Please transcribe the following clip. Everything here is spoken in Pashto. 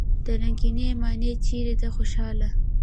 دا رنګينې معنی چېرې دي خوشحاله!